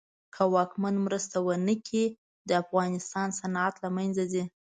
که واکمن مرسته ونه کړي د افغانستان صنعت له منځ ځي.